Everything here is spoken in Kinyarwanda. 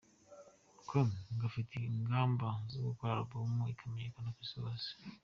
com, ngo afite ingamba zo gukora album ikamenyekana ku isi hose.